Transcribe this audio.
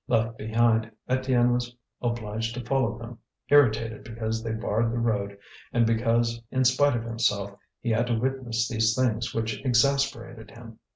Left behind, Étienne was obliged to follow them, irritated because they barred the road and because in spite of himself he had to witness these things which exasperated him.